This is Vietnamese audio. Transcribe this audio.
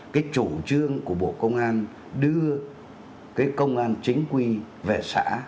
cái chủ trương của bộ công an đưa cái công an chính quy về xã